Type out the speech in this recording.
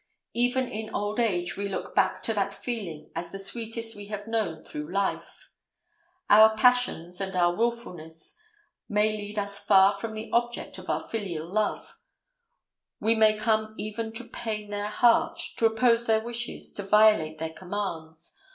Even in old age we look back to that feeling as the sweetest we have known through life. Our passions and our willfulness may lead us far from the object of our filial love; we may come even to pain their heart, to oppose their wishes, to violate their commands.